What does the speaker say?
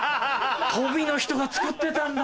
とびの人が造ってたんだ。